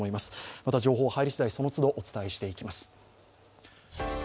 また情報が入りしだいその都度お伝えしていきます。